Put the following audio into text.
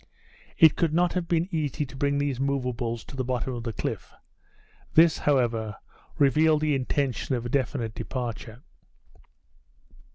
It could not have been easy to bring these movables to the bottom of the cliff. This, however, revealed the intention of a definite departure.